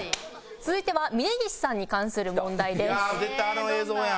続いては峯岸さんに関する問題です。